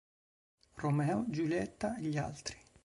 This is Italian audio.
Romeo Giulietta e gli altri.